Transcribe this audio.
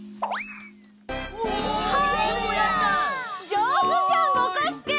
じょうずじゃんぼこすけ！